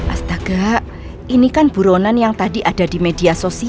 astaga ini kan buronan yang tadi ada di media sosial